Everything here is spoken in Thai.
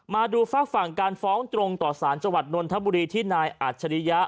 มาดูฝากฝั่งการฟ้องตรงต่อสารจังหวัดนนทบุรีที่นายอัจฉริยะ